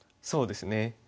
そうですね。